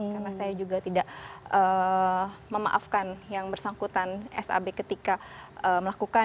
karena saya juga tidak memaafkan yang bersangkutan sab ketika melakukan